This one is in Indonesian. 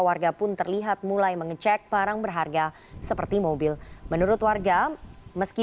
warga pun terlihat mulai mengecek barang berharga seperti mobil menurut warga meski